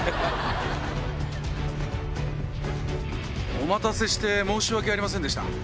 お待たせして申し訳ありませんでした。